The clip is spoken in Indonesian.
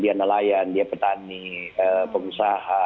dia nelayan dia petani pengusaha